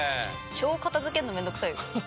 超片付けるの面倒くさい。